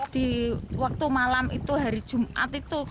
di waktu malam itu hari jumat itu